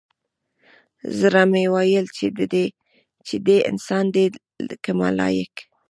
زړه مې ويل چې دى انسان دى که ملايک.